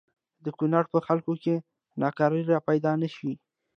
د کونړ په خلکو کې ناکراری را پیدا نه شي.